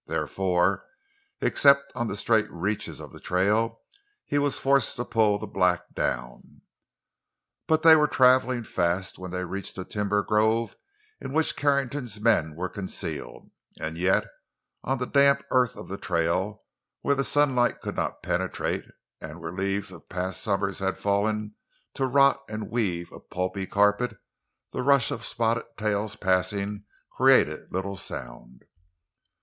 Therefore, except on the straight reaches of the trail, he was forced to pull the black down. But they were traveling fast when they reached the timber grove in which Carrington's men were concealed; and yet on the damp earth of the trail, where the sunlight could not penetrate, and where the leaves of past summers had fallen, to rot and weave a pulpy carpet, the rush of Spotted Tail's passing created little sound.